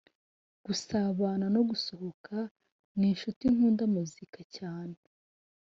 gusabana no gusohoka n’inshuti nkunda muzika cyane